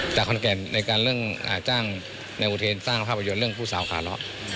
จากคอนแก่นในการเรื่องจ้างในอุทธินสร้างความประโยชน์เรื่องผู้สาวขาเหลาะ